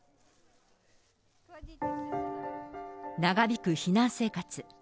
長引く避難生活。